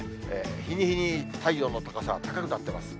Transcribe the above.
日に日に太陽の高さは高くなってます。